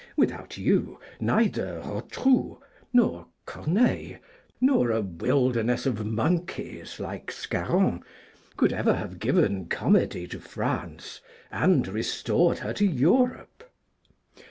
Without you, neither Rotrou, nor Corneille, nor 'a wilderness of monkeys' like Scarron, could ever have given Comedy to France and restored her to Europe.